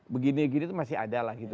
begini gini itu masih ada lah gitu